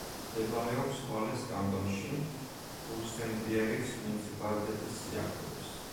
მდებარეობს ვალეს კანტონში, ბურ-სენ-პიერის მუნიციპალიტეტის სიახლოვეს.